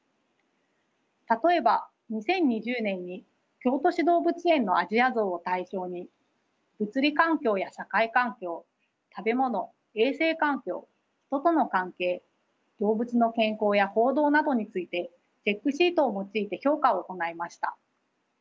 たとえば２０２０年に京都市動物園のアジアゾウを対象に物理環境や社会環境食べ物衛生環境人との関係動物の健康や行動などについてチェックシートを用いて評価を行いました。